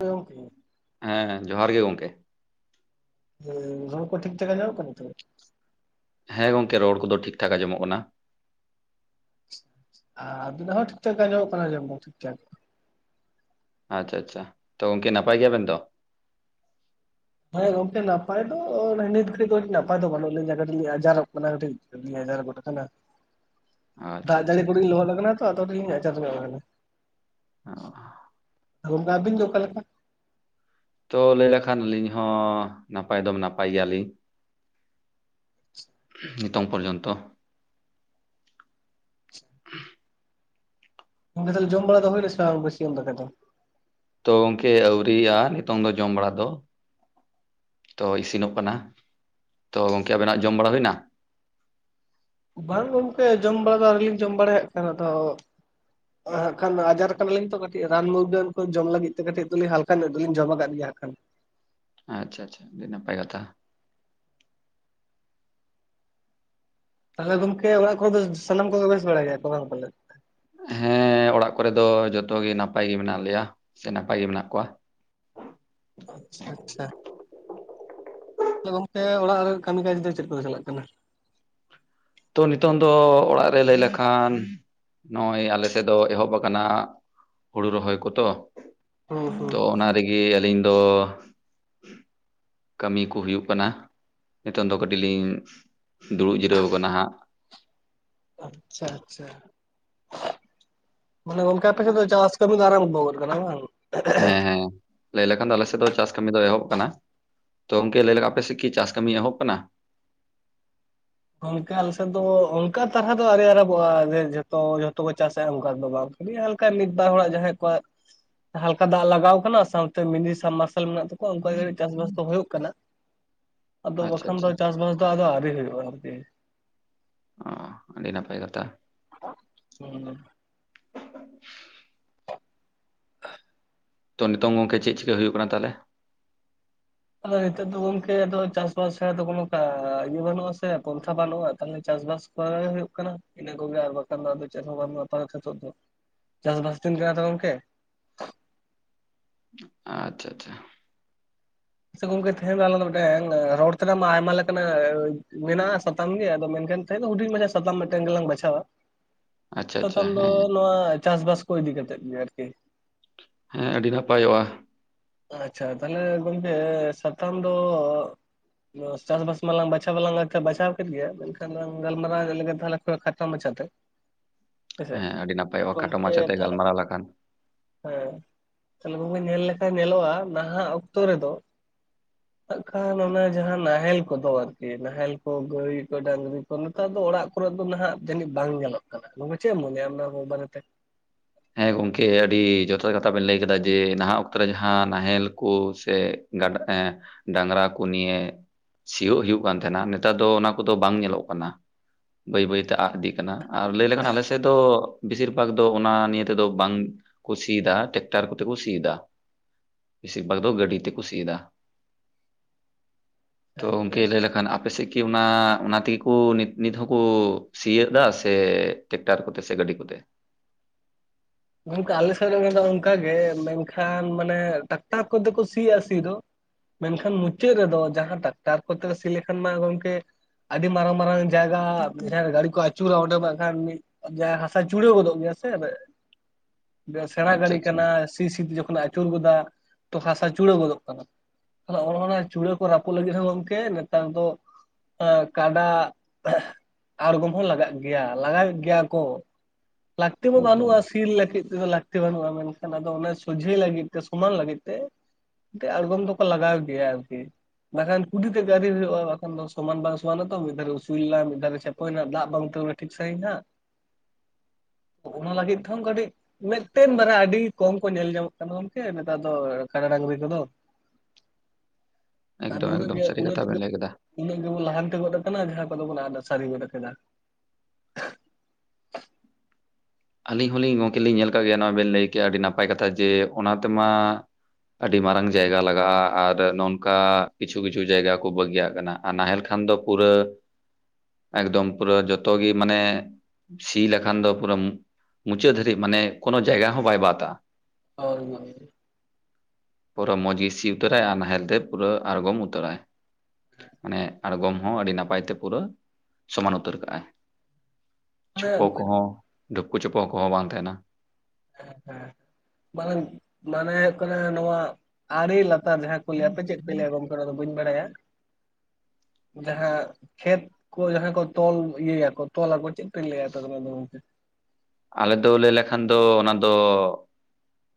ᱡᱚᱦᱟᱨ ᱜᱮ ᱜᱚᱢᱠᱮ ᱦᱮᱸ ᱡᱚᱦᱟᱨ ᱜᱮ ᱜᱚᱢᱠᱮ ᱦᱮᱹ ᱨᱚᱲ ᱠᱚ ᱴᱷᱤᱠ ᱴᱷᱟᱠ‌ ᱟᱡᱚᱢᱚᱜ ᱠᱟᱱᱟ ᱛᱚ ᱦᱮᱸ ᱜᱚᱢᱠᱮ ᱨᱚᱲ ᱠᱚᱫᱚ ᱴᱷᱤᱠ ᱴᱷᱟᱠ ᱟᱸᱡᱚᱢᱚᱜ ᱠᱟᱱᱟ᱾ ᱟᱨ ᱟᱵᱤᱱᱟᱜ ᱦᱚᱸ ᱴᱷᱤᱠ ᱴᱷᱟᱠ ᱟᱡᱚᱢᱚᱜ ᱠᱟᱱᱟ ᱴᱷᱤᱠ ᱴᱷᱟᱠ ᱟᱪᱪᱷᱟ ᱟᱪᱪᱷᱟ ᱛᱚ ᱜᱚᱢᱠᱮ ᱱᱟᱯᱟᱭ ᱜᱮᱭᱟᱵᱮᱱ ᱛᱚ᱾ ᱦᱮᱸ ᱜᱚᱢᱠᱮ ᱱᱟᱯᱟᱭ ᱫᱚ ᱱᱤᱛ ᱜᱷᱟᱨᱤᱡ ᱫᱚ ᱱᱟᱯᱟᱭ ᱫᱚ ᱵᱟᱹᱱᱩᱜ ᱞᱤᱧᱟ ᱠᱟᱹᱴᱤᱡ ᱞᱤᱧ ᱟᱡᱟᱨᱚᱜ ᱠᱟᱱᱟ ᱠᱟᱹᱴᱤᱡ ᱦᱮᱸ ᱠᱟᱴᱤᱡᱞᱤᱧ ᱟᱡᱟᱨ ᱜᱚᱫ ᱠᱟᱱᱟ᱾ ᱟᱪᱪᱷᱟ ᱫᱟᱜ ᱟᱪᱪᱷᱟ ᱡᱟᱹᱲᱤ ᱟᱪᱪᱷᱟ ᱠᱚᱨᱮᱧ ᱞᱚᱦᱚᱫ ᱟᱠᱟᱱᱟ ᱛᱚ ᱟᱫᱚᱞᱤᱧ ᱟᱡᱟᱨ ᱧᱚᱜ ᱠᱟᱱᱟᱼᱼ ᱚ, ᱜᱚᱢᱠᱮ ᱟᱵᱤᱱ ᱫᱚ ᱚᱠᱟ ᱞᱮᱠᱟ᱾ ᱛᱚ ᱞᱟᱹᱭ ᱞᱮᱠᱷᱟᱱ ᱟᱹᱞᱤᱧ ᱦᱚᱸ ᱱᱟᱯᱟᱭ ᱫᱚ ᱱᱟᱯᱟᱭ ᱜᱮᱭᱟᱞᱤᱧ ᱱᱤᱛᱚᱝ ᱯᱚᱨᱡᱚᱱᱛᱚ ᱛᱟᱦᱞᱮ ᱡᱚᱢ ᱵᱟᱲᱟ ᱫᱚ ᱦᱩᱭ ᱱᱟ ᱥᱮ ᱵᱟᱝ ᱵᱟᱥᱤᱭᱟᱸᱢ ᱫᱟᱠᱟ ᱫᱚ? ᱛᱚ ᱜᱚᱝᱠᱮ ᱟᱣᱨᱤᱭᱟᱜᱼᱟ ᱱᱤᱛᱚᱝ ᱫᱚ ᱡᱚᱢ ᱵᱟᱲᱟ ᱫᱚ᱾ ᱛᱚ ᱤᱥᱤᱱᱚᱜ ᱠᱟᱱᱟ ᱛᱚ ᱜᱚᱝᱠᱮ ᱟᱵᱮᱱᱟᱜ ᱡᱚᱢ ᱵᱟᱲᱟ ᱦᱩᱭᱱᱟ? ᱵᱟᱝ ᱜᱚᱝᱠᱮ ᱡᱚᱢ ᱵᱟᱲᱟ ᱟᱣᱨᱤᱞᱤᱧ ᱡᱚᱢ ᱵᱟᱲᱟᱭᱟ ᱦᱟᱜ ᱠᱷᱟᱱ ᱟᱫᱚᱼᱼ ᱦᱟᱸᱜ ᱠᱷᱟᱱ ᱟᱡᱟᱨ ᱠᱟᱱᱟᱞᱤᱧ ᱛᱚ ᱠᱟᱹᱴᱤᱡ ᱨᱟᱱ ᱢᱩᱨᱜᱟᱹᱱ ᱠᱚ ᱡᱚᱢ ᱞᱟᱹᱜᱤᱫ ᱛᱮ ᱠᱟᱹᱴᱤᱡ ᱫᱚᱧ ᱦᱟᱞᱠᱟ ᱧᱚᱜ ᱫᱚᱞᱤᱧ ᱡᱚᱢ ᱟᱠᱟᱫ ᱜᱮᱭᱟ ᱦᱟᱸᱜ ᱠᱷᱟᱱ᱾ ᱟᱪᱪᱷᱟ ᱟᱪᱪᱷᱟ ᱟᱹᱰᱤ ᱱᱟᱯᱟᱭ ᱠᱟᱛᱷᱟ᱾ ᱛᱟᱦᱚᱞ ᱜᱚᱢᱠᱮ ᱚᱱᱟ ᱠᱚᱦᱚ ᱥᱟᱱᱟᱢ ᱠᱚ ᱵᱮᱥ ᱵᱟᱲᱟᱭ ᱜᱮᱭᱟ ᱠᱚᱞᱮ? ᱦᱮᱸ ᱚᱲᱟᱜ ᱠᱚᱨᱮ ᱫᱚ ᱡᱚᱛᱚ ᱜᱮ ᱱᱟᱯᱟᱭ ᱜᱮ ᱢᱮᱱᱟᱜ ᱞᱮᱭᱟ ᱥᱮ ᱱᱟᱯᱟᱭ ᱜᱮ ᱢᱮᱱᱟᱜ ᱠᱚᱣᱟ᱾ ᱟᱪᱪᱷᱟ ᱟᱪᱪᱷᱟ ᱜᱚᱝᱠᱮ ᱚᱲᱟᱜ ᱨᱮ ᱠᱟᱹᱢᱤ ᱠᱟᱡᱽ ᱫᱚ ᱪᱮᱫ ᱠᱚ ᱪᱟᱞᱟᱜ ᱠᱟᱱᱟ᱾ ᱛᱚ ᱱᱤᱛᱚᱝ ᱫᱚ ᱚᱲᱟᱜ ᱨᱮ ᱞᱟᱹᱭ ᱞᱮᱠᱷᱟᱱ ᱱᱚᱜᱼᱚᱭ ᱟᱞᱮ ᱥᱮᱫ ᱫᱚ ᱮᱦᱚᱵ ᱟᱠᱟᱱᱟᱼᱼ ᱦᱩᱲᱩ ᱨᱚᱦᱚᱭ ᱠᱚᱛᱚ ᱦᱩᱸ ᱦᱩᱸ ᱛᱚ ᱚᱱᱟ ᱨᱮᱜᱮ ᱟᱹᱞᱤᱧ ᱫᱚᱼᱼ ᱠᱟᱹᱢᱤ ᱠᱚ ᱦᱩᱭᱩᱜ ᱠᱟᱱᱟ᱾ ᱱᱤᱛᱚᱝ ᱫᱚ ᱠᱟᱹᱴᱤᱡ ᱞᱤᱧ ᱫᱩᱲᱩᱵ ᱡᱤᱨᱟᱹᱣ ᱠᱟᱱᱟ ᱦᱟᱸᱜᱼᱼ ᱟᱪᱪᱷᱟ ᱟᱪᱪᱷᱟ ᱢᱟᱱᱮ ᱜᱚᱝᱠᱮ ᱟᱯᱮᱥᱮᱫ ᱫᱚ ᱪᱟᱥᱟᱥ ᱠᱟᱹᱢᱤ ᱟᱨᱟᱵ ᱠᱟᱱᱟ? ᱠᱟᱱᱟ ᱦᱮᱸ ᱦᱮᱸᱼᱼ ᱞᱟᱹᱭ ᱞᱮᱠᱷᱟᱱ ᱫᱚ ᱟᱞᱮ ᱥᱮᱫ ᱫᱚ ᱪᱟᱥ ᱠᱟᱹᱢᱤ ᱫᱚ ᱮᱦᱚᱵ ᱠᱟᱱᱟ ᱛᱚ ᱜᱚᱢᱠᱮ ᱞᱟᱹᱭ ᱞᱮᱠᱷᱟᱱ ᱟᱯᱮᱥᱮᱫ ᱠᱤ ᱪᱟᱥ ᱠᱟᱹᱢᱤᱭ ᱮᱦᱚᱵ ᱟᱠᱟᱱᱟ᱾ ᱚᱱᱠᱟ ᱟᱞᱮᱥᱮᱜ ᱫᱚ ᱚᱱᱠᱟ ᱛᱟᱦᱟ ᱫᱚ ᱟᱨᱮ ᱟᱨᱟᱚᱵᱚᱜᱼᱟᱮ ᱡᱷᱚᱛᱚ ᱡᱷᱚᱛᱚ ᱠᱚ ᱪᱟᱥᱟᱼᱟ ᱚᱱᱠᱟ ᱫᱚ ᱵᱟᱝ᱾ ᱟᱹᱰᱤ ᱦᱟᱞᱠᱟ ᱢᱤᱫ ᱵᱟᱨ ᱦᱚᱲᱟᱜ ᱡᱟᱦᱟᱸᱭ ᱠᱚᱣᱟᱜ᱾ ᱦᱟᱞᱠᱟ ᱫᱟᱜ ᱞᱟᱜᱟᱣ ᱟᱠᱟᱱᱟ ᱥᱟᱶᱛᱮ ᱢᱤᱱᱤ ᱥᱟᱵ ᱢᱟᱨᱟᱨᱥᱟᱞ ᱢᱮᱱᱟᱜ ᱛᱟᱠᱚᱼᱼ ᱚᱱᱠᱟᱟᱜ ᱪᱟᱥᱵᱟᱥ ᱫᱚ ᱦᱩᱭᱩᱜ ᱠᱟᱱᱟ ᱟᱫᱚ ᱟᱪᱪᱷᱟ ᱵᱟᱠᱷᱟᱱ ᱫᱚ ᱟᱪᱪᱷᱟ ᱪᱟᱥᱵᱟᱥ ᱫᱚ ᱟᱫᱚ ᱟᱹᱣᱨᱤ ᱦᱩᱭᱩᱜᱼᱟ᱾ ᱮᱼᱼ ᱚ ᱟᱹᱰᱤ ᱱᱟᱯᱟᱭ ᱠᱟᱛᱷᱟ᱾ ᱦᱮᱸ ᱛᱚ ᱱᱤᱛᱚᱝ ᱜᱚᱝᱠᱮ ᱪᱮᱫ ᱪᱮᱠᱟ ᱦᱩᱭᱩᱜ ᱠᱟᱱᱟ ᱛᱟᱦᱞᱮ? ᱟᱫᱚ ᱱᱤᱛᱚᱜ ᱫᱚ ᱜᱚᱝᱠᱮ ᱪᱟᱥ ᱵᱟᱥ ᱫᱚ ᱵᱟᱹᱱᱩᱜ-ᱟ ᱤᱭᱟᱹ ᱵᱟᱹᱱᱩᱜ ᱟ ᱥᱮ ᱯᱚᱱᱛᱷᱟ ᱵᱟᱹᱱᱩᱜᱼᱟ ᱛᱟᱦᱞᱮ ᱪᱟᱥ ᱵᱟᱥ᱾ ᱦᱩᱭᱩᱜ ᱠᱟᱱᱟ ᱤᱱᱟᱹ ᱠᱚᱜᱮ ᱟᱨ ᱵᱟᱠᱷᱟᱱ ᱫᱚ ᱪᱮᱫ ᱦᱚᱸ ᱵᱟᱝᱯᱟᱨ ᱫᱚ᱾ ᱪᱟᱥ ᱵᱟᱥ ᱛᱤᱱ ᱛᱤᱱᱜᱮᱭᱟ ᱛᱚ ᱜᱚᱢᱠᱮ ᱟᱪᱪᱷᱟ ᱟᱪᱪᱷᱟ ᱥᱮ ᱜᱚᱝᱠᱮ ᱛᱮᱦᱮᱸᱧ ᱫᱚ ᱟᱞᱮ ᱫᱚ ᱢᱤᱫᱴᱮᱱ ᱨᱚᱲ ᱛᱮᱱᱟᱜ ᱢᱟ ᱟᱭᱢᱟ ᱞᱮᱠᱟᱱᱟᱜ ᱢᱮᱱᱟᱜᱼᱟ ᱥᱟᱛᱟᱢ ᱜᱮ ᱟᱫᱚ ᱢᱮᱱᱠᱷᱟᱱᱼᱼ ᱛᱮᱦᱮᱧ ᱫᱚ ᱦᱩᱰᱤᱧ ᱢᱟᱪᱷᱟ ᱥᱟᱛᱟᱢ ᱢᱮᱫᱴᱟᱝ ᱜᱮᱞᱟᱝ ᱵᱟᱪᱷᱟᱣᱟ᱾ ᱟᱪᱪᱷᱟ ᱟᱪᱪᱷᱟ ᱥᱟᱛᱟᱢ ᱫᱚ ᱦᱮᱸ ᱱᱚᱣᱟ ᱪᱟᱥᱼᱵᱟᱥ ᱠᱚ ᱤᱫᱤ ᱠᱟᱛᱮᱫ ᱜᱮ ᱟᱨᱠᱤ᱾ ᱦᱮᱸ ᱟᱹᱰᱤ ᱱᱟᱯᱟᱭᱚᱜᱼᱟ᱾ ᱟᱪᱪᱷᱟ ᱛᱟᱦᱞᱮ ᱜᱚᱝᱠᱮ ᱥᱟᱛᱟᱢ ᱫᱚ ᱪᱟᱥᱼᱵᱟᱥ ᱢᱟᱞᱟᱝ ᱵᱟᱪᱷᱟᱣᱞᱟᱝ ᱵᱟᱪᱷᱟ ᱠᱮᱫ ᱜᱮᱭᱟ ᱢᱮᱱᱠᱷᱟᱱ ᱞᱟᱝ ᱜᱟᱞᱢᱟᱨᱟᱣ ᱞᱮᱜᱮ ᱛᱟᱦᱞᱮᱼᱼ ᱠᱷᱟᱴ ᱢᱟᱪᱟ ᱛᱮ ᱦᱮ ᱥᱮ ᱦᱮᱸ ᱟᱹᱰᱤ ᱱᱟᱯᱟᱭᱚᱜᱼᱟ ᱠᱷᱟᱴᱚ ᱜᱚᱢᱠᱮᱼᱼ ᱦᱮᱸ ᱢᱟᱪᱷᱟᱛᱮ ᱜᱟᱞᱢᱟᱨᱟᱣ ᱞᱮᱠᱷᱟᱱ ᱛᱟᱦᱞᱮ ᱵᱟᱹᱵᱩ ᱧᱮᱞ ᱞᱮᱠᱷᱟᱱ ᱧᱮᱞᱚᱜᱼᱟ ᱱᱟᱦᱟᱜ ᱚᱠᱛᱚ ᱨᱮᱫᱚᱼᱼ ᱠᱷᱟᱱ ᱚᱱᱟ ᱡᱟᱦᱟᱸ ᱱᱟᱦᱮᱞ ᱠᱚᱫᱚ ᱟᱨᱠᱤ ᱱᱟᱦᱮᱞ ᱠᱚ ᱜᱟᱹᱭ ᱠᱚ ᱰᱟᱝᱨᱤ ᱠᱚ ᱛᱚ ᱱᱮᱛᱟᱨ ᱫᱚ ᱚᱲᱟᱜ ᱠᱚᱨᱮ ᱫᱚ ᱱᱟᱦᱟᱜ ᱡᱟᱹᱱᱤᱡ ᱵᱟᱝ ᱧᱮᱞᱚᱜ ᱠᱟᱱᱟ ᱱᱚᱜ ᱪᱮᱫ ᱮᱢ ᱢᱚᱱᱮᱭᱟ ᱚᱱᱟ ᱵᱟᱨᱮ ᱛᱮ? ᱦᱮᱸ ᱜᱚᱢᱠᱮ ᱟᱹᱰᱤ ᱡᱚᱛᱷᱟᱛ ᱠᱟᱛᱷᱟ ᱵᱮᱱ ᱞᱟᱹᱭ ᱠᱮᱫᱟ ᱡᱮ ᱱᱟᱦᱟᱜ ᱚᱠᱛᱚ ᱨᱮ ᱡᱟᱦᱟᱸ ᱱᱟᱦᱮᱞ ᱠᱚ ᱥᱮᱼᱼ ᱜᱟᱰᱟ ᱮ ᱰᱟᱝᱨᱟ ᱠᱚ ᱱᱤᱭᱮᱼᱼ ᱥᱤᱭᱳᱜ ᱦᱩᱭᱩᱜ ᱠᱟᱱ ᱛᱟᱦᱮᱸᱱᱟ ᱱᱮᱛᱟᱨ ᱫᱚ ᱚᱱᱟ ᱠᱚᱫᱚ ᱵᱟᱝ ᱧᱮᱞᱚᱜ ᱠᱟᱱᱟ᱾ ᱵᱟᱹᱭ ᱵᱟᱹᱭ ᱛᱮ ᱟᱜ ᱤᱫᱤᱜ ᱠᱟᱱᱟ ᱟᱨ ᱞᱟᱹᱭ ᱞᱮᱠᱷᱟᱱ ᱟᱞᱮ ᱥᱮᱫ ᱫᱚ ᱵᱮᱥᱤᱨ ᱵᱷᱟᱜᱽ ᱫᱚ ᱚᱱᱟ ᱱᱤᱭᱟᱹ ᱛᱮᱫᱚ ᱵᱟᱝ ᱠᱳ ᱥᱤ ᱮᱫᱟ ᱴᱮᱠᱴᱟᱨ ᱠᱚᱛᱮ ᱠᱚ ᱥᱤ ᱮᱫᱟ᱾ ᱵᱤᱥᱤ ᱵᱟᱜᱽ ᱫᱚ ᱜᱟᱹᱰᱤ ᱛᱮᱠᱚ ᱥᱤ ᱭᱮᱫᱟ᱾ [inaudible] ᱛᱚ ᱜᱚᱝᱠᱮ ᱞᱟᱹᱭ ᱞᱮᱠᱷᱟᱱ ᱟᱯᱮᱥᱮᱫ ᱠᱤ ᱚᱱᱟ, ᱚᱱᱟ ᱛᱮᱜᱤ ᱠᱩ ᱱᱤᱛ ᱱᱤᱛ ᱦᱚᱠᱚ ᱥᱤ ᱮᱫᱼᱫᱟ ᱥᱮ ᱴᱮᱠᱴᱟᱨ ᱠᱚᱛᱮ ᱥᱮ ᱜᱟᱹᱰᱤ ᱠᱚᱛᱮ? ᱜᱚᱢᱠᱮ ᱟᱞᱮ ᱥᱮᱫ ᱞᱮ ᱢᱮᱫ ᱫᱷᱟᱣ ᱚᱱᱠᱟ ᱜᱮ ᱢᱮᱱᱠᱷᱟᱱ ᱢᱟᱱᱮ ᱴᱟᱠᱴᱟᱨ ᱠᱚᱫᱚ ᱠᱚ ᱥᱤᱭᱼᱟ ᱥᱤ ᱫᱚ, ᱢᱮᱱᱠᱷᱟᱱ ᱢᱩᱪᱟᱹᱫ ᱨᱮᱫᱚ ᱡᱟᱦᱟᱸ ᱴᱟᱠᱴᱟᱨ ᱠᱚᱛᱮ ᱠᱚ ᱥᱤ ᱞᱮᱠᱷᱟᱱ ᱢᱟ ᱜᱚᱝᱠᱮ ᱟᱹᱰᱤ ᱢᱟᱨᱟᱝ ᱢᱟᱨᱟᱝ ᱡᱟᱭᱜᱟ ᱦᱮᱸ ᱜᱟᱹᱰᱤ ᱠᱚ ᱟᱹᱪᱩᱨᱟ ᱚᱸᱰᱮ ᱢᱟ ᱮᱸᱠᱷᱟᱱ ᱢᱤᱫ ᱡᱟ ᱦᱟᱥᱟ ᱡᱩᱲᱟᱹᱣ ᱜᱚᱫᱚᱜ ᱜᱮᱭᱟ ᱥᱮᱻᱵᱮᱜ, ᱫᱮ ᱥᱮᱬᱟ ᱟᱪᱪᱷᱟ ᱜᱟᱹᱰᱤ ᱟᱪᱪᱷᱟ ᱠᱟᱱᱟ ᱥᱤ ᱥᱤ ᱡᱚᱠᱷᱚᱱ ᱟᱹᱪᱩᱨ ᱜᱚᱫᱟ, ᱛᱚ ᱦᱟᱥᱟ ᱪᱩᱲᱟᱹᱣ ᱜᱚᱫᱚᱜ ᱠᱟᱱᱟ᱾ ᱦᱚᱸᱻᱚ ᱪᱩᱲᱟᱹ ᱠᱚ ᱨᱟᱹᱯᱩᱫ ᱞᱟᱹᱜᱤᱫ ᱦᱚᱸ ᱜᱚᱝᱠᱮ ᱢᱮᱫᱴᱟᱝ ᱫᱚ ᱮᱸ ᱠᱟᱰᱟ [unintelligible] ᱟᱸᱲᱜᱚᱢ ᱦᱚᱸ ᱞᱟᱜᱟᱜ ᱜᱮᱭᱟ, ᱞᱟᱜᱟᱣᱮᱫ ᱜᱮᱭᱟ ᱠᱚ᱾ ᱞᱟᱠᱛᱤ ᱢᱟ ᱮᱠᱫᱚᱢ ᱵᱟᱹᱱᱩᱜᱼᱟ ᱥᱮ ᱛᱤᱨ ᱞᱟᱹᱠᱤᱫ ᱛᱮᱫᱚ ᱞᱟᱹᱠᱛᱤ ᱵᱟᱹᱱᱩᱜᱼᱟ ᱢᱮᱱᱠᱷᱟᱱ ᱟᱫᱚ ᱚᱱᱮ ᱥᱚᱡᱷᱮ ᱞᱟᱹᱜᱤᱫ ᱛᱮ ᱥᱚᱢᱟᱱ ᱞᱟᱹᱜᱤᱫ ᱛᱮ᱾ ᱮᱱᱛᱮ ᱟᱸᱲᱜᱚᱢ ᱫᱚᱠᱚ ᱞᱟᱜᱟᱣ ᱜᱮᱭᱟ ᱟᱨᱠᱤ, ᱵᱟᱠᱷᱟᱱ ᱠᱩᱰᱤ ᱛᱮ ᱫᱮ ᱦᱩᱭᱩᱜᱼᱟ ᱵᱟᱠᱷᱟᱱ ᱠᱩᱰᱤ ᱛᱮᱫ ᱜᱮ ᱟᱹᱰᱤ ᱰᱷᱮᱨᱚᱜᱼᱟ, ᱛᱚᱠᱷᱚᱱ ᱥᱚᱢᱟᱱ ᱵᱟᱝ ᱥᱚᱢᱟᱱᱚᱜ ᱫᱚ ᱢᱤᱫ ᱫᱷᱟᱣ ᱨᱮ ᱩᱥᱩᱞᱞᱼᱞᱟᱭ ᱢᱤᱫ ᱫᱷᱟᱣ ᱨᱮ ᱪᱷᱟᱯ ᱦᱚᱭ ᱱᱷᱟᱸᱜ ᱫᱟᱜ ᱵᱟᱝ ᱛᱮ ᱚᱱᱟ ᱴᱷᱤᱠ ᱥᱟᱺᱦᱤᱡ ᱱᱷᱟᱸᱜ, ᱚᱱᱟ ᱞᱟᱹᱜᱤᱫ ᱛᱮᱦᱚᱸ ᱜᱟᱹᱰᱤᱡ ᱢᱮᱫ ᱴᱟᱹᱱ ᱵᱟᱨᱟ ᱟᱹᱰᱤ ᱠᱚᱢ ᱠᱚ ᱧᱮᱞ ᱧᱟᱢᱚᱜ ᱠᱟᱱᱟ ᱜᱚᱝᱠᱮ ᱱᱮᱛᱟᱨ ᱫᱚ ᱠᱟᱰᱟ ᱰᱟᱺᱜᱽᱨᱤ ᱠᱚᱫᱚ᱾ ᱟᱨ ᱮᱠᱫᱚᱢ ᱱᱩᱱᱟᱹᱜ ᱮᱠᱫᱚᱢ ᱜᱮ ᱥᱟᱹᱨᱤ ᱩᱱᱟᱹᱜ ᱠᱟᱛᱷᱟ ᱵᱮᱱ ᱞᱟᱹᱭ ᱠᱮᱫᱟ [unintelligible] ᱩᱱᱟᱹᱜ ᱜᱮᱵᱚᱱ ᱞᱟᱦᱟᱱᱛᱤ ᱜᱚᱫ ᱟᱠᱟᱱᱟ, ᱡᱟᱦᱟᱸᱭ ᱠᱚᱫᱚ ᱵᱚᱱ ᱟᱫ ᱥᱟᱹᱨᱤ ᱜᱚᱫ ᱟᱠᱟᱫᱟ᱾ ᱟᱹᱞᱤᱧ ᱦᱚᱸᱞᱤᱧ ᱜᱚᱝᱠᱮ ᱞᱤᱧ ᱧᱮᱞ ᱟᱠᱟᱫ ᱜᱮᱭᱟ ᱱᱚᱣᱟ ᱵᱮᱱ ᱞᱟᱹᱭ ᱠᱮᱜᱼᱟ ᱟᱹᱰᱤ ᱱᱟᱯᱟᱭ ᱠᱟᱛᱷᱟ ᱡᱮ ᱚᱱᱟ ᱛᱮᱢᱟ, ᱟᱹᱰᱤ ᱢᱟᱨᱟᱝ ᱡᱟᱭᱜᱟ ᱞᱟᱜᱟᱜᱼᱟ ᱟᱨ ᱱᱚᱜᱼᱱᱚᱸᱠᱟ ᱠᱤᱪᱷᱩ ᱠᱤᱪᱷᱩ ᱡᱟᱭᱜᱟ ᱠᱚ ᱵᱟᱹᱜᱤᱭᱟᱜ ᱠᱟᱱᱟ, ᱟᱨ ᱱᱟᱦᱮᱞ ᱠᱷᱟᱱ ᱫᱚ ᱯᱩᱨᱟᱹ ᱮᱠᱫᱚᱢ ᱯᱩᱨᱟᱹ ᱡᱚᱛᱚ ᱜᱤ ᱢᱟᱱᱮ ᱥᱤ ᱞᱮᱠᱷᱟᱱ ᱫᱚ ᱯᱩᱨᱟᱹᱻᱢ ᱢᱩᱪᱟᱹᱫ ᱫᱷᱟᱹᱨᱤᱡ ᱢᱟᱱᱮ ᱠᱳᱱᱳ ᱡᱟᱭᱜᱟ ᱦᱚᱸ ᱵᱟᱭ ᱵᱟᱛᱼᱟ᱾ ᱦᱚᱭ, ᱯᱩᱨᱟᱹ ᱢᱚᱸᱡᱽ ᱜᱮ ᱥᱤ ᱩᱛᱟᱹᱨᱟᱭ ᱟᱨ ᱱᱟᱦᱮᱞ ᱛᱮ ᱯᱩᱨᱟᱹ ᱟᱨᱜᱚᱢ ᱩᱛᱟᱹᱨᱟᱭ᱾ ᱢᱟᱱᱮ ᱟᱬᱜᱚᱢ ᱦᱚᱸ ᱟᱹᱰᱤ ᱱᱟᱯᱟᱭ ᱛᱮ ᱯᱩᱨᱟᱹ ᱥᱚᱢᱟᱱ ᱩᱛᱟᱹᱨ ᱠᱟᱜᱼᱟᱭ᱾ ᱪᱷᱚᱯᱚ ᱦᱳᱭ ᱠᱚᱦᱚᱸ ᱰᱷᱩᱯᱠᱩ ᱪᱷᱚᱯᱚ ᱠᱚᱦᱚᱸ ᱵᱟᱝ ᱛᱟᱦᱮᱸᱱᱟ, ᱦᱮᱸ ᱦᱮᱸ, ᱵᱟᱝ ᱢᱟᱱᱮ ᱦᱩᱭᱩᱜ ᱠᱟᱱᱟ ᱱᱚᱣᱟ ᱟᱲᱮ ᱞᱟᱛ ᱛᱟᱨ ᱡᱟᱦᱟᱸ ᱠᱚ ᱞᱟᱹᱭᱼᱟ, ᱟᱯᱮ ᱪᱮᱫ ᱯᱮ ᱞᱟᱹᱭᱼᱟ ᱜᱚᱝᱠᱮ ᱚᱱᱟ ᱫᱚ ᱵᱟᱹᱧ ᱵᱟᱰᱟᱭᱟ, ᱡᱟᱦᱟᱸ ᱠᱷᱮᱛ ᱠᱚ ᱡᱟᱦᱟᱸ ᱠᱚ ᱛᱚᱞ ᱤᱭᱟᱹ ᱭᱟᱞᱚ ᱛᱚᱞ ᱟᱠᱚ ᱪᱮᱫ ᱯᱮ ᱞᱟᱹᱭ-ᱟ ᱚᱸᱛᱮ ᱫᱚ ᱟᱫᱚ ᱜᱚᱝᱠᱮ? ᱟᱞᱮ ᱫᱚ ᱞᱟᱹᱭ ᱞᱮᱠᱷᱟᱱ ᱫᱚ ᱚᱱᱟ ᱫᱚ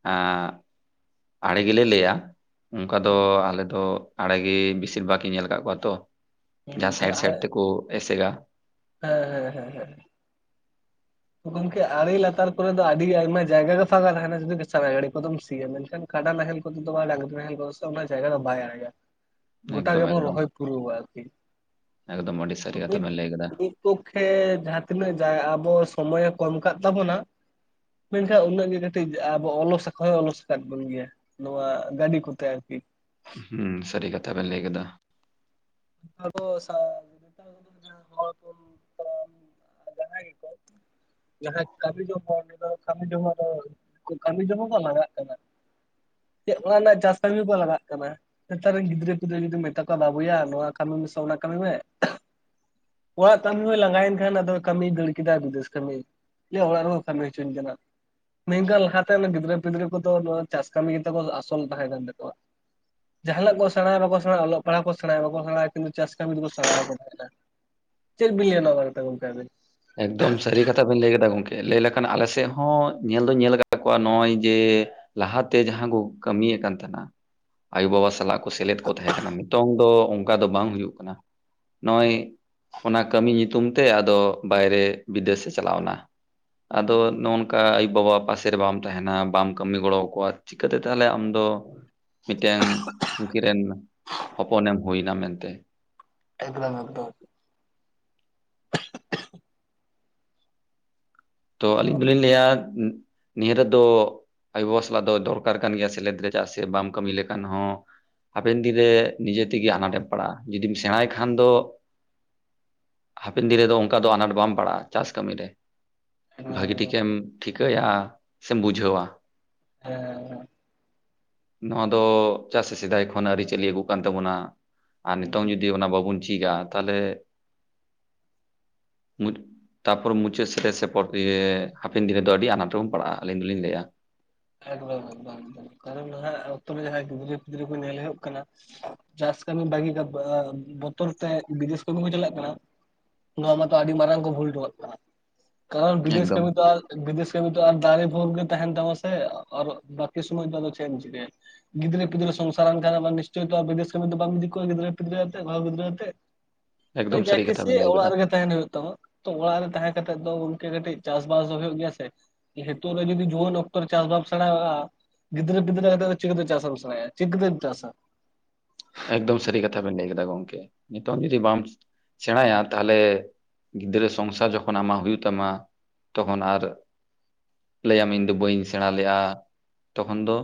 ᱮᱸᱜ ᱟᱲᱮ ᱜᱮᱞᱮ ᱞᱟᱹᱭᱼᱟ᱾ ᱚᱸᱠᱟ ᱫᱚ ᱟᱞᱮ ᱫᱚ ᱟᱲᱮ ᱜᱮ ᱵᱤᱥᱤᱨ ᱵᱟᱜᱽ ᱤᱧ ᱧᱮᱞ ᱟᱠᱟᱫ ᱠᱚᱣᱟ ᱛᱚ, ᱡᱟᱦᱟᱸ ᱦᱩᱸ ᱛᱟᱦᱞᱮ ᱥᱟᱭᱮᱰ ᱥᱟᱭᱮᱰ ᱛᱮᱠᱚ ᱮᱥᱮᱜᱟ᱾ ᱦᱮᱸ ᱦᱮᱸ ᱦᱮᱸ ᱦᱮᱸ᱾ ᱛᱚ ᱜᱚᱝᱠᱮ ᱟᱲᱮ ᱞᱟᱛᱟᱨ ᱠᱚᱨᱮ ᱫᱚ ᱟᱹᱰᱤ ᱟᱭᱢᱟ ᱡᱟᱭᱜᱟ ᱜᱮ ᱥᱟᱫᱟ ᱛᱟᱦᱮᱸᱱᱟ ᱡᱩᱫᱤ ᱵᱮᱥ ᱥᱟᱵᱽ ᱟᱭ ᱜᱟᱹᱰᱤ ᱠᱚᱫᱚᱢ ᱥᱤᱭᱟ ᱢᱮᱱᱠᱷᱟᱱ ᱠᱟᱰᱟ ᱱᱟᱦᱮᱞ ᱠᱚᱛᱮ ᱫᱚ ᱵᱟᱭ ᱰᱟᱺ [unintelligible] ᱱᱟᱦᱮᱞ ᱠᱚ ᱥᱮ ᱚᱱᱟ ᱡᱟᱭᱜᱟ ᱫᱚ ᱵᱟᱭ ᱟᱲᱟᱜᱟ᱾ ᱜᱚᱴᱟ ᱮᱠᱫᱚᱢ ᱜᱮᱵᱚᱱ ᱮᱠᱫᱚᱢ ᱨᱚᱦᱚᱭ ᱯᱩᱨᱟᱹᱣᱼᱣᱟ ᱟᱨᱠᱤ ᱮᱠᱫᱚᱢ ᱟᱹᱰᱤ ᱥᱟᱹᱨᱤ ᱠᱟᱛᱷᱟ ᱵᱮᱱ [unintelligible] ᱞᱟᱹᱭ ᱠᱟᱫᱟ ᱢᱤᱫ ᱯᱚᱠᱠᱷᱮ ᱡᱟᱦᱟᱸ ᱛᱤᱱᱟᱹᱜ ᱡᱟ ᱟᱵᱚ ᱥᱚᱢᱚᱭ ᱦᱚᱸᱠᱚ ᱮᱢ ᱟᱠᱟᱫ ᱛᱟᱵᱚᱱᱟ, ᱢᱮᱱᱠᱷᱟᱡ ᱩᱱᱟᱹᱜ ᱜᱮ ᱠᱟᱹᱴᱤᱡ ᱟᱵᱚ ᱚᱞᱚᱥ ᱟᱠᱚ ᱦᱚᱸ ᱚᱞᱚᱥ ᱟᱠᱟᱫ ᱵᱚᱱ ᱜᱮᱭᱟ᱾ ᱱᱚᱣᱟ ᱜᱟᱹᱰᱤ ᱠᱚᱛᱮ ᱟᱨᱠᱤ, ᱦᱩᱸ ᱥᱟᱹᱨᱤ ᱠᱟᱛᱷᱟ ᱵᱮᱱ ᱞᱟᱹᱭ ᱠᱟᱫᱟ᱾ ᱟᱫᱚ ᱥᱟᱶ [unintelligible] ᱦᱚᱲ [unintelligible] ᱡᱟᱦᱟᱸᱭ ᱜᱮᱠᱚ, ᱡᱟᱦᱟᱸ ᱠᱟᱹᱢᱤ ᱡᱚᱝ ᱦᱚᱲ ᱠᱚᱫᱚ ᱠᱟᱹᱢᱤ ᱡᱚᱝᱟ ᱫᱚ ᱠᱟᱹᱢᱤ ᱡᱚᱝᱚᱜ ᱫᱚ ᱞᱟᱜᱟᱜ ᱠᱟᱱᱟ᱾ ᱪᱮᱫ ᱚᱱᱟ ᱨᱮᱱᱟᱜ ᱪᱟᱥ ᱠᱟᱹᱢᱤ ᱠᱚ ᱞᱟᱜᱟᱜ ᱠᱟᱱᱟ ᱱᱮᱛᱟᱨ ᱨᱮᱱ ᱜᱤᱫᱽᱨᱟᱹ ᱯᱤᱫᱽᱨᱟᱹ ᱡᱩᱫᱤ ᱢᱮᱛᱟ ᱠᱚᱣᱟ ᱵᱟᱵᱩᱭᱟ ᱱᱚᱣᱟ, ᱠᱟᱢᱤ ᱢᱮᱥᱮ ᱚᱱᱟ ᱠᱟᱹᱢᱤ ᱢᱮ, ᱚᱲᱟᱜ ᱠᱟᱹᱢᱤ ᱦᱚᱸ ᱞᱟᱸᱜᱟᱭᱮᱱ ᱠᱷᱟᱱ ᱟᱫᱚ ᱠᱟᱹᱢᱤ ᱫᱟᱹᱲ ᱠᱮᱫᱟᱭ ᱵᱤᱫᱮᱥ ᱠᱟᱹᱢᱤ᱾ ᱞᱟᱹᱭᱟᱭ ᱚᱲᱟᱜ ᱨᱮᱦᱚᱸ ᱠᱟᱹᱢᱤ ᱚᱪᱚᱣᱟᱧ ᱠᱟᱱᱟ᱾ ᱱᱤᱝᱠᱟ ᱞᱟᱦᱟᱛᱮᱱ ᱜᱤᱫᱽᱨᱟᱹ ᱯᱤᱫᱽᱨᱟᱹ ᱠᱚᱫᱚ ᱱᱚᱣᱟ ᱪᱟᱥ ᱠᱟᱹᱢᱤ ᱜᱮᱛᱚ ᱠᱚ ᱟᱥᱚᱞ ᱛᱟᱦᱮᱸ ᱠᱟᱱ ᱛᱟᱠᱚᱣᱟ᱾ ᱡᱟᱦᱟᱱᱟᱜ ᱠᱚ ᱥᱮᱬᱟ ᱵᱟᱠᱚ ᱥᱮᱬᱟ ᱚᱞᱚᱜ ᱯᱟᱲᱦ ᱠᱚ ᱥᱮᱬᱟᱭᱟ ᱵᱟᱠᱚ ᱥᱮᱬᱟᱭ ᱠᱤᱱᱛᱩ ᱪᱟᱥ ᱠᱟᱹᱢᱤ ᱫᱚᱠᱚ ᱥᱮᱬᱟ ᱵᱟᱠᱚ ᱛᱟᱦᱮᱸᱱᱟ ᱪᱮᱫ ᱵᱤᱱ ᱞᱟᱹᱭᱟ ᱱᱚᱭᱟ ᱵᱟᱨᱮᱛᱚᱜ ᱜᱚᱝᱠᱮ ᱟᱵᱮᱱ? ᱮᱠᱫᱚᱢ ᱥᱟᱹᱨᱤ ᱠᱟᱛᱷᱟ ᱵᱮᱱ ᱞᱟᱹᱭ ᱠᱟᱫᱟ ᱜᱚᱝᱠᱮ ᱞᱟᱹᱭ ᱞᱮᱠᱷᱟᱱ ᱟᱞᱮ ᱥᱮᱫ ᱦᱚᱸ ᱧᱮᱞ ᱫᱚᱧ ᱧᱮᱞ ᱟᱠᱟᱫ ᱠᱚᱣᱟ ᱱᱚᱜᱼᱚᱭ ᱡᱮ, ᱞᱟᱦᱟᱛᱮ ᱡᱟᱦᱟᱸ ᱠᱚ ᱠᱟᱹᱢᱤᱭᱮᱫ ᱠᱟᱱ ᱛᱟᱦᱮᱱᱟ ᱟᱭᱳᱵᱟᱵᱟ ᱥᱟᱞᱟᱜ, ᱥᱮᱞᱮᱫ ᱠᱚ ᱛᱟᱦᱮᱸ ᱠᱟᱱᱟ ᱱᱤᱛᱚᱝ ᱫᱚ, ᱚᱱᱠᱟ ᱫᱚ ᱵᱟᱝ ᱦᱩᱭᱩᱜ ᱠᱟᱱᱟ ᱱᱚᱜᱼᱚᱭ ᱚᱱᱟ ᱠᱟᱹᱢᱤ ᱧᱩᱛᱩᱢ ᱛᱮ ᱟᱫᱚ, ᱵᱟᱭᱨᱮ ᱵᱤᱫᱮᱥᱮ ᱪᱟᱞᱟᱣᱱᱟ᱾ ᱟᱫᱚ ᱱᱚᱜᱼ ᱱᱚᱝᱠᱟ ᱟᱭᱩᱼᱵᱟᱵᱟ ᱯᱟᱥᱮ ᱨᱮ ᱵᱟᱢ ᱛᱟᱦᱮᱱᱟ ᱵᱟᱢ ᱠᱟᱹᱢᱤ ᱜᱚᱲᱚᱣᱟᱠᱚᱭᱟ, ᱪᱤᱠᱟᱹᱛᱮ ᱛᱟᱦᱚᱞᱮ ᱟᱢᱫᱚ ᱢᱤᱫᱴᱮᱱ ᱩᱱᱠᱤᱱ ᱨᱮᱱ ᱦᱚᱯᱚᱱᱮᱢ ᱦᱩᱭᱱᱟ ᱢᱮᱱᱛᱮ᱾ ᱮᱠᱫᱚᱢ ᱮᱠᱫᱚᱢ, ᱛᱚ ᱟᱹᱞᱤᱧ ᱫᱚᱞᱤᱧ ᱞᱟᱹᱭᱟ, ᱱᱤᱭᱟᱹ ᱨᱮᱫᱚ ᱟᱭᱩ ᱵᱟᱵᱟ ᱥᱟᱞᱟᱜ ᱫᱚ ᱫᱚᱨᱠᱟᱨ ᱠᱟᱱ ᱜᱮᱭᱟ ᱥᱮᱞᱮᱫ ᱨᱮ ᱪᱮᱫᱟᱜ ᱥᱮ ᱵᱟᱢ ᱠᱟᱹᱢᱤ ᱞᱮᱠᱷᱟᱱ ᱦᱚᱸ, ᱦᱟᱯᱮᱱ ᱫᱤᱱ ᱨᱮ ᱱᱤᱡᱮ ᱛᱮᱜᱮ ᱟᱱᱟᱴᱮᱢ ᱯᱟᱲᱟᱜᱼᱟ ᱡᱩᱫᱤᱢ ᱥᱮᱬᱟᱭ ᱠᱷᱟᱱ ᱫᱚ, ᱦᱟᱯᱮᱱ ᱫᱤᱱ ᱨᱮᱫᱚ ᱚᱱᱠᱟ ᱫᱚ ᱟᱱᱟᱴ ᱵᱟᱢ ᱯᱟᱲᱟᱜᱼᱟ ᱪᱟᱥ ᱠᱟᱹᱢᱤ ᱨᱮ᱾ ᱮᱠᱫᱚᱢ ᱵᱷᱟᱹᱜᱤ ᱮᱠᱫᱚᱢ ᱴᱷᱤᱠᱮᱢ ᱴᱷᱤᱠᱟᱹᱭᱟ ᱥᱮᱢ ᱵᱩᱡᱷᱟᱹᱣᱟ᱾ ᱦᱮᱸ ᱦᱮᱸ, ᱱᱚᱣᱟ ᱫᱚ ᱪᱟᱜ ᱥᱮ ᱥᱮᱫᱟᱭ ᱠᱷᱚᱱ ᱟᱹᱨᱤᱪᱟᱹᱞᱤ ᱟᱹᱜᱩ ᱠᱟᱱ ᱛᱟᱵᱚᱱᱟ ᱟᱨ ᱱᱤᱛᱚᱝ ᱡᱩᱫᱤ ᱚᱱᱟ ᱵᱟᱵᱩᱱ, ᱴᱷᱤᱠᱟ ᱛᱟᱦᱚᱞᱮ ᱢᱩᱪ ᱛᱟᱨᱯᱟᱨᱮ ᱢᱩᱪᱟᱹᱫ ᱥᱮ ᱥᱮᱫ, ᱯᱚᱨ ᱫᱤᱭᱮ ᱦᱟᱯᱮᱱ ᱫᱤᱱ ᱨᱮᱫᱚ ᱟᱹᱰᱤ ᱟᱱᱟᱴ ᱨᱮᱵᱚᱱ ᱯᱟᱲᱟᱜᱼᱟ ᱟᱹᱞᱤᱧ ᱫᱚᱞᱤᱧ ᱞᱟᱹᱭᱟ᱾ ᱮᱠᱫᱚᱢ ᱮᱠᱫᱚᱢ ᱮᱠᱫᱚᱢ ᱠᱟᱨᱚᱱ ᱱᱟᱦᱟᱜ ᱚᱠᱛᱚ ᱨᱮ ᱡᱟᱦᱟᱸᱭ ᱜᱤᱫᱽᱨᱟᱹ ᱯᱤᱫᱽᱨᱟᱹ ᱠᱚ ᱧᱮᱞ ᱦᱩᱭᱩᱜ ᱠᱟᱱᱟ, ᱪᱟᱥ ᱠᱟᱹᱢᱤ ᱵᱷᱟᱹᱜᱤ ᱠᱟᱜ ᱟᱸ ᱵᱚᱛᱚᱨ ᱛᱮ ᱵᱤᱫᱮᱥ ᱠᱟᱹᱢᱤ ᱠᱚ ᱪᱟᱞᱟᱜ ᱠᱟᱱᱟ᱾ ᱱᱚᱣᱟ ᱢᱟᱛᱚ ᱟᱹᱰᱤ ᱢᱟᱨᱟᱝ ᱠᱚ ᱵᱷᱩᱞ ᱦᱚᱴᱚᱠᱟᱜ ᱠᱟᱱᱟ᱾ ᱠᱟᱨᱚᱱ ᱵᱤᱫᱮᱥ ᱮᱠᱫᱚᱢ ᱠᱟᱹᱢᱤ ᱛᱚ ᱟᱨ ᱵᱤᱫᱮᱥ ᱠᱟᱹᱢᱤ ᱛᱚ ᱟᱨ ᱫᱟᱨᱮ ᱵᱷᱳᱨ ᱜᱮ ᱛᱟᱦᱮᱸᱱ ᱛᱟᱢᱟ, ᱛᱮ ᱟᱨ ᱵᱟᱠᱤ ᱥᱚᱢᱚᱭ ᱫᱚ ᱟᱫᱚ ᱪᱮᱜᱮᱢ ᱪᱤᱠᱟᱹᱭᱟ᱾ ᱜᱤᱫᱽᱨᱟᱹ ᱯᱤᱫᱽᱨᱟᱹ ᱥᱚᱝᱥᱟᱨ ᱟᱱ ᱠᱷᱟᱱᱮᱢ ᱟᱨ ᱱᱤᱥᱪᱚᱭ ᱛᱚ ᱵᱤᱫᱮᱥ ᱠᱟᱹᱢᱤ ᱫᱚ ᱵᱟᱢ ᱤᱫᱤ ᱠᱚᱣᱟ ᱜᱤᱫᱽᱨᱟᱹ ᱯᱤᱫᱽᱨᱟᱹ ᱟᱛᱮᱫ ᱵᱟᱹᱦᱩ ᱜᱤᱫᱽᱨᱟᱹ ᱮᱠᱫᱚᱢ ᱟᱛᱮᱫ, ᱥᱟᱹᱨᱤ ᱠᱟᱛᱷᱟ ᱵᱮᱱ ᱡᱟᱠᱤᱥᱮᱭ ᱞᱟᱹᱭ ᱠᱟᱫᱟ ᱚᱲᱟᱜ ᱨᱮᱜᱮ ᱛᱟᱦᱮᱱ ᱦᱩᱭᱩᱜ ᱛᱟᱢᱟ᱾ ᱛᱚ ᱚᱲᱟᱜ ᱨᱮ ᱛᱟᱦᱮᱸ ᱠᱟᱛᱮᱜ ᱫᱚ ᱜᱚᱝᱠᱮ ᱠᱟᱹᱴᱤᱜ ᱪᱟᱥᱵᱟᱥ ᱫᱚ ᱦᱩᱭᱩᱜ ᱜᱮᱭᱟ ᱥᱮ ᱦᱤᱛᱚᱜ ᱨᱮ ᱡᱩᱫᱤ ᱡᱩᱣᱟᱹᱱ ᱚᱠ ᱛᱚ ᱨᱮ ᱪᱟᱥ ᱵᱟᱢ ᱥᱮᱬᱟᱭ ᱟᱠᱟᱜᱼᱟ ᱜᱤᱫᱽᱨᱟᱹ ᱯᱤᱫᱽᱨᱟᱹ ᱠᱟᱛᱮᱫ ᱫᱚ ᱪᱤᱠᱟᱹᱛᱮ ᱪᱟᱥᱮᱢ ᱥᱮᱬᱟᱭᱟ ᱪᱤᱠᱟᱹᱛᱮᱢ ᱪᱟᱥᱟ? ᱮᱠᱫᱚᱢ ᱥᱟᱹᱨᱤ ᱠᱟᱛᱷᱟ ᱵᱮᱱ ᱞᱟᱹᱭ ᱠᱮᱫᱟ ᱜᱚᱝᱠᱮ ᱱᱤᱛᱚᱝ ᱡᱩᱫᱤ ᱵᱟᱢ, ᱥᱮᱬᱟᱭᱟ ᱛᱟᱦᱚᱞᱮ ᱜᱤᱫᱽᱨᱟᱹ ᱥᱚᱝᱥᱟᱨ ᱡᱚᱠᱷᱚᱱ ᱟᱢᱟᱜ ᱦᱩᱭᱩᱜ ᱛᱟᱢᱟ, ᱛᱚᱠᱷᱚᱱ ᱟᱨ ᱞᱟᱹᱭᱟᱢᱤᱧ ᱫᱚ ᱵᱟᱹᱧ ᱥᱮᱬᱟ ᱞᱮᱜᱼᱟ ᱛᱚᱠᱷᱚᱱ ᱫᱚ,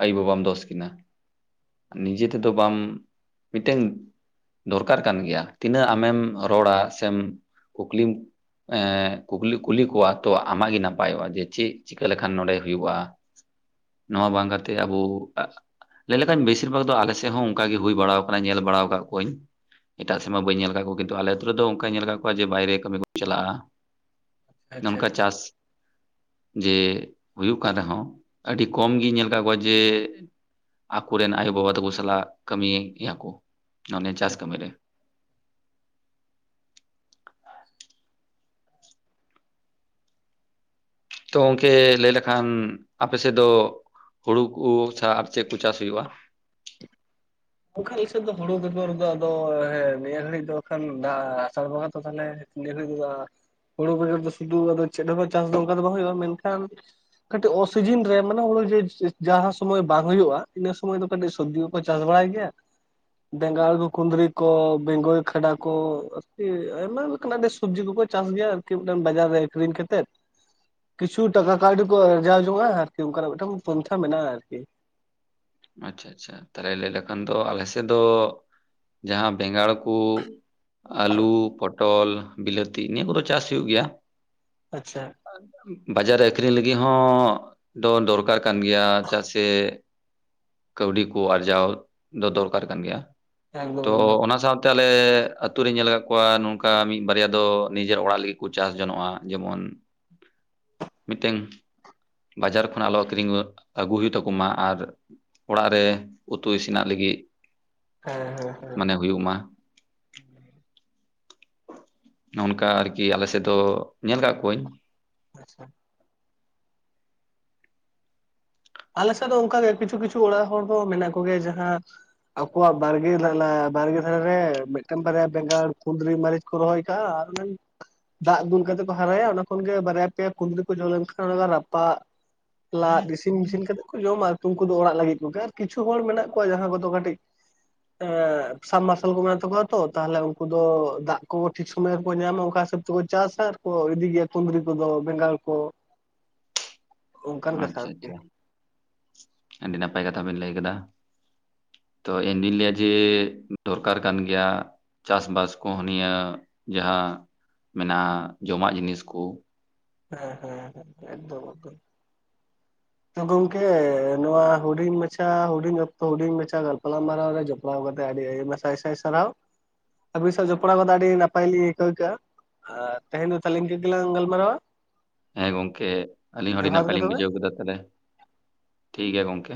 ᱟᱭᱩ ᱵᱟᱵᱟᱢ ᱫᱳᱥ ᱠᱤᱱᱟ᱾ ᱱᱤᱡᱮ ᱛᱮᱫᱚ ᱵᱟᱢ ᱢᱤᱫᱴᱮᱱ, ᱫᱚᱨᱠᱟᱨ ᱠᱟᱱ ᱜᱮᱭᱟ ᱛᱤᱱᱟᱹᱜ ᱟᱢᱮᱢ ᱨᱚᱲᱟ ᱥᱮᱢ ᱠᱩᱠᱞᱤᱢ, ᱮᱸ ᱠᱩᱠᱞᱤ ᱠᱩᱞᱤ ᱠᱚᱣᱟ ᱛᱚ ᱟᱢᱟᱜ-ᱜᱮ ᱱᱟᱯᱟᱭᱚᱜᱼᱟ ᱡᱮ ᱪᱮᱫ, ᱪᱤᱠᱟᱹ ᱞᱮᱠᱷᱟᱱ ᱱᱚᱸᱰᱮ ᱦᱩᱭᱩᱜᱼᱟ᱾ ᱱᱚᱣᱟ ᱵᱟᱝ ᱠᱟᱛᱮ ᱟᱵᱚ ᱞᱟᱹᱭ ᱞᱮᱠᱷᱟᱱ ᱵᱮᱥᱤᱨ ᱵᱷᱟᱜᱽ ᱫᱚ ᱟᱞᱮ ᱛᱮ ᱦᱚᱸ ᱚᱝᱠᱟ ᱜᱮ ᱦᱩᱭ ᱵᱟᱲᱟᱣ ᱟᱠᱟᱱᱟ ᱧᱮᱞ ᱵᱟᱲᱟᱣ ᱟᱠᱟᱫ ᱠᱚᱣᱟᱹᱧ ᱮᱴᱟᱜ ᱥᱮᱫᱢᱟ ᱵᱟᱹᱧ ᱧᱮᱞ ᱟᱠᱟᱫ ᱠᱚ ᱠᱤᱱᱛᱩ ᱟᱞᱮ ᱟᱛᱳ ᱨᱮᱫᱚ ᱚᱝᱠᱟᱧ ᱧᱮᱞ ᱟᱠᱟᱫ ᱠᱚᱣᱟᱡᱮ ᱵᱟᱭᱨᱮ ᱠᱟᱹᱢᱤ ᱠᱚ ᱪᱟᱞᱟᱜᱼᱟ ᱟᱪᱪᱷᱟ ᱚᱱᱠᱟ ᱪᱟᱥ ᱡᱮ ᱦᱩᱭᱩᱜ ᱠᱟᱱ ᱨᱮᱦᱚᱸ ᱟᱹᱰᱤ ᱠᱚᱢᱜᱤᱧ ᱧᱮᱞ ᱠᱟᱫ ᱠᱚᱣᱟ ᱡᱮ ᱟᱠᱚᱨᱮᱱ ᱟᱭᱳᱼᱵᱟᱵᱟ ᱛᱟᱠᱚ ᱥᱟᱞᱟᱜ ᱠᱟᱹᱢᱤᱭᱮᱫ ᱜᱮᱭᱟ ᱠᱚ ᱢᱟᱱᱮ ᱟᱪᱪᱷᱟ ᱪᱟᱥ ᱠᱟᱹᱢᱤ ᱨᱮ ᱛᱚ ᱜᱚᱝᱠᱮ ᱞᱟᱹᱭ ᱞᱮᱠᱷᱟᱱ ᱟᱯᱮᱥᱮᱫ ᱫᱚ ᱦᱩᱲᱩ ᱠᱚ ᱪᱷᱟᱲᱟ ᱟᱨ ᱪᱮᱫ ᱠᱚ ᱪᱟᱥ ᱦᱩᱭᱩᱜᱼᱟ ᱚᱱᱠᱟ ᱟᱞᱮᱥᱮᱫ ᱫᱚ ᱦᱩᱲᱩ ᱵᱮᱜᱽᱚᱨᱫᱚ ᱟᱫᱚ ᱦᱮᱸ ᱱᱤᱭᱟᱹ ᱜᱷᱟᱹᱲᱤᱡ ᱫᱚ ᱵᱟᱠᱷᱟᱱ ᱫᱟᱜ ᱟᱥᱟᱲ ᱵᱚᱸᱜᱟ ᱛᱚ ᱛᱟᱦᱮ ᱱᱤᱭᱟᱹ ᱜᱷᱟᱹᱲᱤᱡ ᱫᱚ ᱟᱫᱚ ᱦᱩᱲᱩ ᱵᱮᱜᱚᱨ ᱟᱫᱚ ᱥᱩᱫᱩ ᱟᱫᱚ ᱪᱮᱫ ᱦᱚᱸ ᱪᱟᱥ ᱫᱚ ᱚᱱᱠᱟ ᱵᱟᱝ ᱦᱩᱭᱩᱜᱼᱟ ᱢᱮᱱᱠᱷᱟᱱ ᱠᱟᱹᱴᱤᱡ ᱚᱥᱤᱡᱤᱱ ᱨᱮ ᱢᱟᱱᱮ ᱦᱩᱲᱩ ᱡᱮ ᱡᱮ ᱡᱟᱦᱟᱸ ᱥᱚᱢᱚᱭ ᱵᱟᱝ ᱦᱩᱭᱩᱜᱼᱟ ᱤᱱᱟᱹ ᱥᱚᱢᱚᱭ ᱫᱚ ᱠᱟᱹᱴᱤᱡ ᱥᱚᱵᱽᱡᱤ ᱠᱚᱠᱚ ᱪᱟᱥ ᱵᱟᱲᱟᱭ ᱜᱮ ᱪᱮᱫ ᱵᱮᱸᱜᱟᱲ ᱠᱚ ᱠᱩᱸᱱᱫᱽᱨᱤ ᱠᱚ ᱵᱮᱝᱜᱚᱭ ᱠᱷᱟᱰᱟ ᱠᱚ ᱟᱨᱠᱤ ᱟᱭᱢᱟ ᱞᱮᱠᱟᱱᱟᱜ ᱟᱹᱰᱤ ᱥᱚᱵᱡᱤ ᱠᱚᱠᱚ ᱪᱟᱥ ᱜᱮᱭᱟ ᱟᱨᱠᱤ ᱢᱤᱫᱴᱮᱱ ᱵᱟᱡᱟᱨ ᱨᱮ ᱟᱹᱠᱷᱨᱤᱧ ᱠᱟᱛᱮᱫ ᱠᱤᱪᱷᱩ ᱴᱟᱠᱟ ᱠᱟᱹᱣᱰᱤ ᱠᱚ ᱟᱨᱡᱟᱣ ᱡᱚᱝᱼᱟ ᱟᱨᱠᱤ ᱚᱱᱠᱟᱱᱟᱜ ᱢᱤᱫᱴᱟᱝ ᱯᱚᱱᱛᱷᱟ ᱢᱮᱱᱟᱜᱼᱟ ᱟᱨᱠᱤ ᱟᱪᱪᱷᱟ ᱟᱪᱪᱷᱟ ᱛᱟᱦᱚᱞᱮ ᱞᱟᱹᱭ ᱞᱮᱠᱷᱟᱱ ᱫᱚ ᱟᱞᱮ ᱥᱮᱫ ᱫᱚ ᱡᱟᱦᱟᱸ ᱵᱮᱸᱜᱟᱲ ᱠᱩ ᱟᱹᱞᱩ ᱯᱚᱴᱚᱞ ᱵᱤᱞᱟᱹᱛᱤ ᱱᱤᱭᱟᱹ ᱠᱚᱫᱚ ᱪᱟᱥ ᱦᱩᱭᱩᱜ ᱜᱮᱭᱟ ᱟᱪᱪᱷᱟ ᱵᱟᱡᱟᱨ ᱨᱮ ᱟᱹᱠᱷᱨᱤᱧ ᱞᱟᱹᱜᱤᱫ ᱦᱚᱸ ᱫᱚ ᱫᱚᱨᱠᱟᱨ ᱠᱟᱱ ᱜᱮᱭᱟ ᱪᱮᱫᱟᱜ ᱥᱮ ᱠᱟᱹᱣᱰᱤ ᱠᱚ ᱟᱨᱡᱟᱣ ᱫᱚ ᱫᱚᱨᱠᱟᱨ ᱠᱟᱱ ᱜᱮᱭᱟ ᱮᱠᱫᱚᱢ ᱛᱚ ᱮᱠᱫᱚᱢ ᱚᱱᱟ ᱥᱟᱶ ᱛᱟᱦᱞᱮ ᱟᱛᱳ ᱨᱮᱧ ᱧᱮᱞ ᱟᱠᱟᱫ ᱠᱚᱣᱟ ᱱᱚᱝᱠᱟ ᱢᱤᱫ ᱵᱟᱨᱭᱟ ᱫᱚ ᱱᱤᱡᱮᱨ ᱚᱲᱟᱜ ᱞᱟᱹᱜᱤᱫ ᱠᱚ ᱪᱟᱥ ᱡᱚᱱᱚᱜᱼᱟ ᱡᱮᱢᱚᱱ [inaudible] ᱢᱤᱫᱴᱟᱝ ᱵᱟᱡᱟᱨ ᱠᱷᱚᱱᱜ ᱟᱞᱚ ᱟᱠᱷᱨᱤᱧ ᱟᱹᱜᱩ ᱦᱩᱭᱩᱜ ᱛᱟᱠᱚ ᱢᱟ ᱟᱨ ᱚᱲᱟᱜ ᱨᱮ ᱩᱛᱩ ᱤᱥᱤᱱᱟᱜ ᱞᱟᱹᱜᱤᱫ ᱦᱮᱸ ᱦᱮᱸ ᱦᱮᱸ ᱢᱟᱱᱮ ᱦᱩᱭᱩᱜ ᱢᱟ [inaudible] ᱚᱱᱠᱟ ᱟᱨᱠᱤ ᱟᱞᱮ ᱥᱮᱫ ᱫᱚ ᱧᱮᱞ ᱠᱟᱫ ᱠᱚᱣᱟᱹᱧ ᱟᱪᱪᱷᱟ ᱟᱞᱮᱥᱮᱫ ᱫᱚ ᱚᱱᱠᱟᱜᱮ ᱠᱤᱪᱷᱩ ᱠᱤᱪᱷᱩ ᱚᱲᱟᱜ ᱦᱚᱲ ᱫᱚ ᱢᱮᱱᱟᱜ ᱠᱚᱜᱮᱭᱟ ᱡᱟᱦᱟᱸ ᱟᱠᱚᱣᱟᱜ ᱵᱟᱲᱜᱮ ᱵᱟᱲᱜᱮ ᱫᱷᱟᱨᱮ ᱨᱮ ᱢᱤᱫᱴᱮᱱ ᱵᱟᱨᱭᱟ ᱵᱮᱸᱜᱟᱲ ᱠᱩᱫᱽᱨᱤ ᱢᱟᱹᱨᱤᱪ ᱠᱚ ᱨᱚᱦᱚᱭᱠᱟᱜᱼᱟ ᱟᱨ ᱚᱱᱟ ᱜᱮ ᱫᱟᱜ ᱫᱩᱞ ᱠᱟᱛᱮ ᱠᱚ ᱦᱟᱨᱟᱭᱟ ᱚᱱᱟ ᱠᱷᱚᱱ ᱜᱮ ᱵᱟᱨᱭᱟ ᱯᱮᱭᱟ ᱠᱩᱸᱫᱽᱤ ᱠᱚ ᱡᱚᱢ ᱞᱮᱱᱠᱷᱟᱱ ᱚᱱᱟ ᱨᱟᱯᱟᱜ ᱞᱟᱫ ᱤᱥᱤᱱ ᱢᱤᱥᱤᱱ ᱠᱟᱛᱮᱫ ᱠᱚ ᱡᱚᱢᱟ ᱩᱱᱠᱩ ᱫᱚ ᱚᱲᱟᱜ ᱞᱟᱹᱜᱤᱫ ᱠᱚᱜᱮ ᱟᱨ ᱠᱤᱪᱷᱩ ᱦᱚᱲ ᱢᱮᱱᱟᱜ ᱠᱚᱣᱟ ᱡᱟᱦᱟᱸ ᱠᱚᱫᱚ ᱠᱟᱹᱴᱤᱡ ᱮ ᱥᱟᱢ ᱢᱟᱨᱟᱨᱥᱟᱞ ᱠᱚ ᱢᱮᱱᱟᱜ ᱛᱟᱠᱚᱣᱟ ᱛᱚ ᱛᱟᱦᱞᱮ ᱩᱱᱠᱩ ᱫᱚ ᱫᱟᱜ ᱠᱚ ᱴᱷᱤᱠ ᱥᱩᱚᱢᱚᱭ ᱨᱮᱠᱚ ᱧᱟᱢᱟ ᱚᱱᱠᱟ ᱥᱩᱥᱟᱹᱵ ᱠᱚ ᱪᱟᱥᱟ ᱟᱨᱠᱚ ᱤᱫᱤ ᱜᱮᱭᱟ ᱠᱩᱸᱫᱽᱨᱤ ᱠᱚᱫᱚ ᱵᱮᱸᱜᱟᱲ ᱠᱚ ᱚᱱᱠᱟᱱ ᱠᱟᱛᱷᱟ ᱟᱪᱪᱷᱟ ᱟᱨᱠᱤ ᱟᱪᱪᱷᱟ ᱟᱹᱰᱤ ᱱᱟᱯᱟᱭ ᱠᱟᱛᱷᱟ ᱵᱮᱤᱱ ᱞᱟᱹᱭ ᱠᱟᱫᱟ ᱛᱚ ᱤᱧ ᱫᱧ ᱞᱟᱹᱭᱟ ᱡᱮ ᱫᱚᱨᱠᱟᱨ ᱠᱟᱱ ᱜᱮᱭᱟ ᱪᱟᱥᱵᱟᱥ ᱠᱚᱦᱚᱸ ᱱᱤᱭᱟᱹ ᱡᱟᱦᱟᱸ ᱢᱮᱱᱟᱜᱼᱟ ᱡᱚᱢᱟᱜ ᱡᱤᱱᱤᱥ ᱠᱚ ᱦᱮᱸ ᱦᱮᱸ ᱦᱮᱸ ᱮᱠᱫᱚᱢ ᱮᱠᱫᱚᱢ ᱛᱚ ᱜᱚᱝᱠᱮ ᱱᱚᱣᱟ ᱦᱩᱰᱤᱧ ᱢᱟᱪᱷᱟ ᱦᱩᱰᱤᱧ ᱚᱠᱛᱚ ᱦᱩᱰᱤᱧ ᱢᱟᱪᱷᱟ ᱜᱟᱞᱯᱟᱞᱣ ᱢᱟᱨᱟᱣ ᱨᱮ ᱡᱚᱢ ᱡᱚᱯᱲᱟᱣ ᱠᱟᱛᱮ ᱟᱹᱰᱤ ᱟᱭᱢᱟ ᱥᱟᱭ ᱥᱟᱭ ᱥᱟᱨᱦᱟᱣ ᱟᱹᱵᱤᱱ ᱥᱟᱶ ᱡᱚᱯᱲᱟᱣ ᱠᱟᱛᱮ ᱟᱹᱰᱤ ᱱᱟᱯᱟᱭ ᱞᱤᱧ ᱟᱹᱭᱠᱟᱹᱣ ᱠᱮᱜᱼᱟ ᱟᱨ ᱛᱮᱦᱮᱧ ᱫᱚ ᱛᱟᱦᱞᱮ ᱤᱱᱠᱟᱹ ᱜᱮᱞᱟᱝ ᱜᱟᱞᱢᱟᱨᱟᱣᱟ ᱦᱮᱸ ᱜᱚᱝᱠᱮ ᱟᱹᱞᱤᱧ ᱟᱹᱰᱤ ᱡᱚᱦᱟᱨ ᱱᱟᱯᱟᱭ ᱜᱮ ᱞᱤᱧ ᱛᱚᱵᱮ ᱵᱩᱡᱷᱟᱹᱣ ᱠᱮᱫᱟ ᱛᱟᱦᱚᱞᱮ ᱴᱷᱤᱠ ᱜᱮᱭᱟ ᱜᱚᱝᱠᱮ